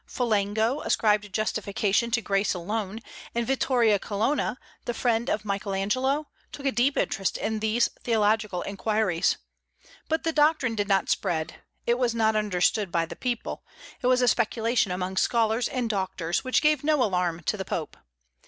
Folengo ascribed justification to grace alone; and Vittoria Colonna, the friend of Michael Angelo, took a deep interest in these theological inquiries. But the doctrine did not spread; it was not understood by the people, it was a speculation among scholars and doctors, which gave no alarm to the Pope.